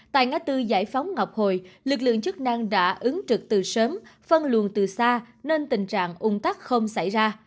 tại ngã tư giải phóng ngọc hồi lực lượng chức năng đã ứng trực từ sớm phân luồng từ xa nên tình trạng ung tắc không xảy ra